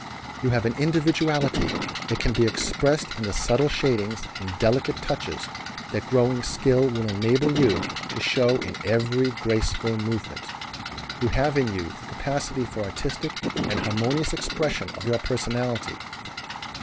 You have an individuality that can be expressed in the subtle shadings and delicate touches that growing skill will enable you to show in every graceful movement. You have in you the capacity for artistic and harmonious expression of your personality.